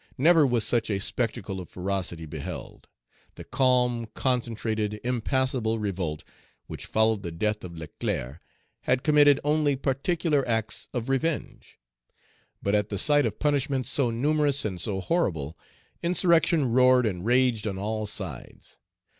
Never was such a spectacle of ferocity beheld. The calm, concentrated, impassible revolt which followed the death of Leclerc had committed only particular acts of revenge; but at the sight of punishments so numerous and so horrible, insurrection roared and raged on all sides.